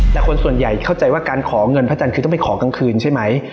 แต่คนส่วนใหญ่เข้าใจว่าการขอเงินพระจันทร์คือต้องไปขอกลางคืนใช่ไหม